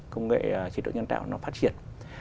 công nghệ chỉ đổi nhân tạo nó phát triển